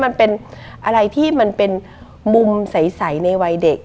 มันเป็นอะไรที่มันเป็นมุมใสในวัยเด็ก